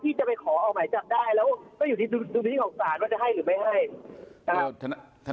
พี่จะไปขอออกหมายจับได้แล้วก็อยู่ที่ดูที่สาหร่างจะให้หรือไม่ให้